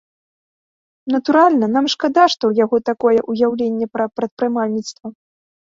Натуральна, нам шкада, што ў яго такое ўяўленне пра прадпрымальніцтва.